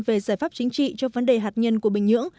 về giải pháp chính trị cho vấn đề hạt nhân của bình nhưỡng